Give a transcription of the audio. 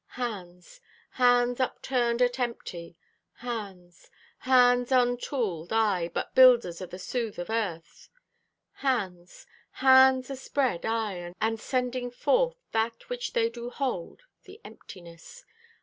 Hands. Hands upturned at empty. Hands. Hands untooled, aye, but builders O' the soothe o' Earth. Hands. Hands aspread, aye, and sending forth That which they do hold—the emptiness.